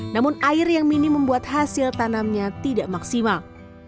namun air yang minim membuat hasil tanamnya tidak maksimal